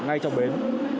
ngay trong bến